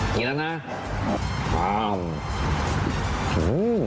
นี่อีกแล้วนะ